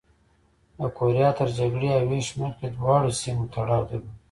د کوریا تر جګړې او وېش مخکې دواړو سیمو تړاو درلود.